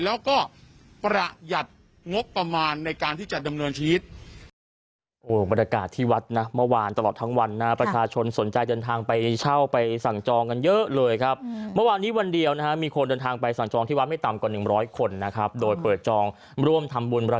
แล้วก็ประหยัดงบประมาณในการที่จะดำเนินชีวิต